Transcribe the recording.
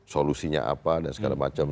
solusinya apa dan segala macam